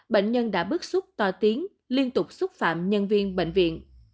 bệnh nhân đã bức xúc to tiếng liên tục xúc phạm nhân viên bệnh viện